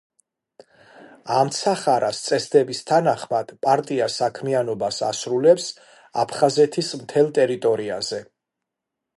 ამცახარას წესდების თანახმად, პარტია საქმიანობას ასრულებს აფხაზეთის მთელ ტერიტორიაზე.